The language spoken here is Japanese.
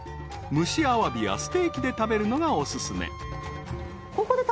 ［蒸しあわびやステーキで食べるのがお薦め］